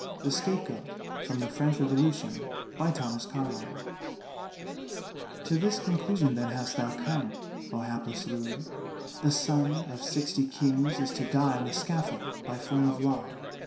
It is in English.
THE SCAPEGOAT From the 'French Revolution' To this conclusion, then, hast thou come, O hapless Louis! The Son of Sixty Kings is to die on the Scaffold by form of Law.